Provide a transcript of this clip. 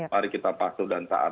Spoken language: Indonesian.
mari kita pasu dan taat